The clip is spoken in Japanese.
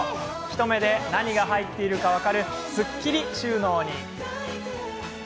一目で何が入っているか分かるすっきり収納に。